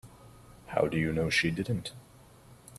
How do you know she didn't?